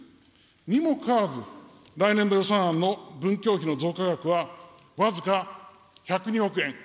にもかかわらず、来年度予算案の文教費の増加額は僅か１０２億円。